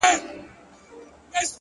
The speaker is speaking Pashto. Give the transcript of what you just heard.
صادق زړه کمې پښېمانۍ لري.!